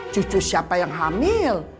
cucu siapa yang hamil